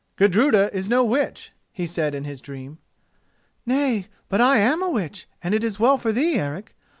"Gudruda is no witch," he said in his dream. "Nay, but I am a witch, and it is well for thee, Eric.